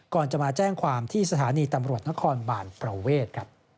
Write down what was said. ก่อนจะมาแจ้งความที่สถานีตำรวจนครบานประเวท